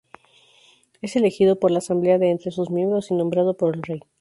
Es elegido por la Asamblea de entre sus miembros y nombrado por el Rey.